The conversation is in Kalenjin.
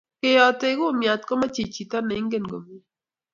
Keyotei kumiat komochei chito ne ingen komie